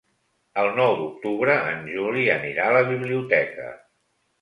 El nou d'octubre en Juli anirà a la biblioteca.